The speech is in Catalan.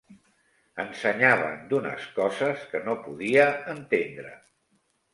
Ensenyaven d'unes coses que no podia entendre